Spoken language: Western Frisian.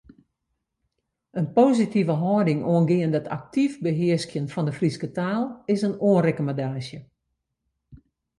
In positive hâlding oangeande it aktyf behearskjen fan de Fryske taal is in oanrekommandaasje.